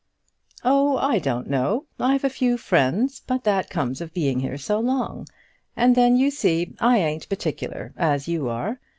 "Oh, I don't know. I've a few friends, but that comes of being here so long. And then, you see, I ain't particular as you are.